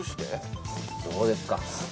どうですか？